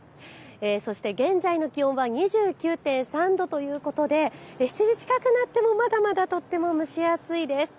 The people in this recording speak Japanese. そして現在の気温は２９．３度ということで７時近くなってもまだまだとっても蒸し暑いです。